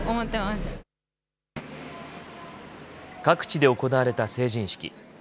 各地で行われた成人式。